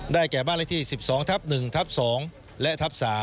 แก่บ้านเลขที่๑๒ทับ๑ทับ๒และทับ๓